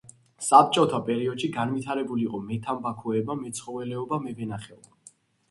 საბჭოთა პერიოდში განვითარებული იყო მეთამბაქოეობა, მეცხოველეობა, მევენახეობა.